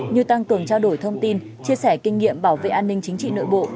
như tăng cường trao đổi thông tin chia sẻ kinh nghiệm bảo vệ an ninh chính trị nội bộ